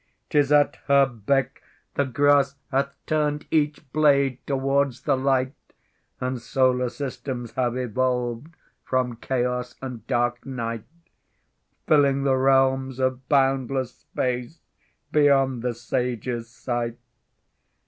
'Tis at her beck the grass hath turned Each blade towards the light And solar systems have evolved From chaos and dark night, Filling the realms of boundless space Beyond the sage's sight.